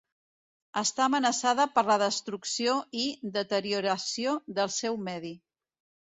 Està amenaçada per la destrucció i deterioració del seu medi.